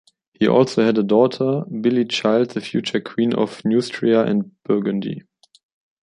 He also had a daughter, Bilichild, the future Queen of Neustria and Burgundy.